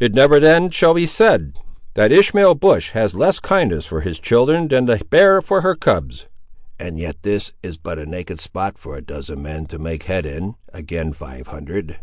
"It never then shall be said, that Ishmael Bush has less kindness for his children than the bear for her cubs!" "And yet this is but a naked spot for a dozen men to make head in, ag'in five hundred."